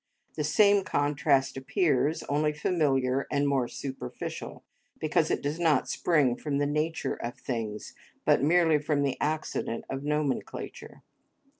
The same contrast appears, only familiar and more superficial, because it does not spring from the nature of things, but merely from the accident of nomenclature.